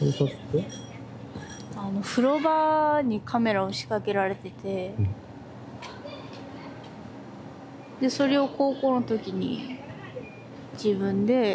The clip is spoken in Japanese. あの風呂場にカメラを仕掛けられててでそれを高校の時に自分で見つけて。